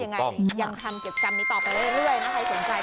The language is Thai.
ยังไงยังทำเก็บกรรมนี้ต่อไปเรื่อยนะครับ